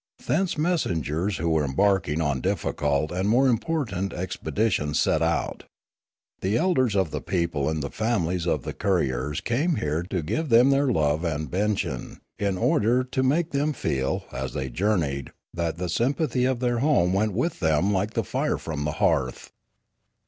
Thence messengers who were embarking on difficult and important expeditions set out. The elders of the people and the families of the couriers came here to give them their love and benison, in order to make them feel, as they journeyed, that the sym pathy of their home went with them like a fire from the hearth.